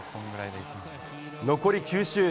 残り９周。